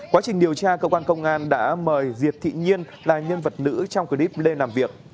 quá trình điều tra cơ quan công an đã mời diệp thị nhiên là nhân vật nữ trong clip lên làm việc